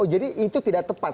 oh jadi itu tidak tepat